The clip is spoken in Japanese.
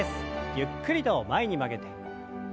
ゆっくりと前に曲げて。